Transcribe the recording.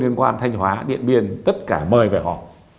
liên quan thanh hóa điện biên tất cả mời về họ